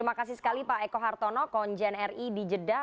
terima kasih sekali pak eko hartono konjen ri di jeddah